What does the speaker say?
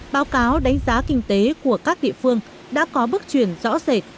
báo cáo đánh giá kinh tế của các địa phương đã có bước chuyển rõ rệt